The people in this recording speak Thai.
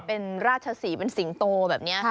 เป็นราชศรีเป็นสิงโตแบบนี้